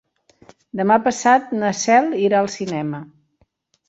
Demà passat na Cel irà al cinema.